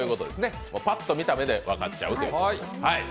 パッと見た目で分かっちゃうという。